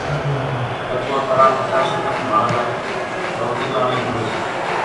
এরপর তারা একা সেখানে মারা যায়, দল থেকে অনেক দূরে।